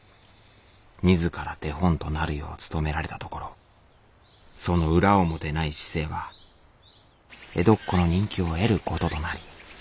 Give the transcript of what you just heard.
自ら手本となるよう努められたところその裏表ない姿勢は江戸っ子の人気を得ることとなり。